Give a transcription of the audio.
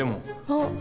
あっ。